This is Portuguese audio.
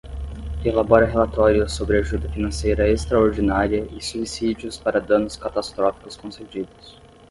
Elabora relatórios sobre ajuda financeira extraordinária e subsídios para danos catastróficos concedidos.